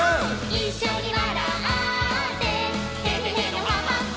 「いっしょにわらってヘヘヘのハハハ」